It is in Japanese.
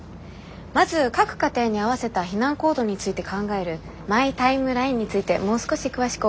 まず各家庭に合わせた避難行動について考えるマイ・タイムラインについてもう少し詳しくお伺いしたいのですが。